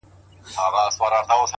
وخت د ژمنتیا اندازه ښکاره کوي؛